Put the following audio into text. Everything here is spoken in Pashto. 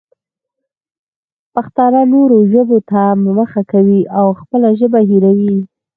پښتانه نورو ژبو ته مخه کوي او خپله ژبه هېروي.